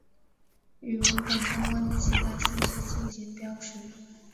与文本相关的其他信息进行标识。